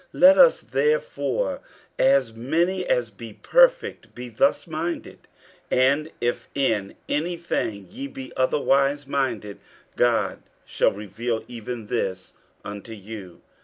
50:003:015 Let us therefore, as many as be perfect, be thus minded: and if in any thing ye be otherwise minded, God shall reveal even this unto you.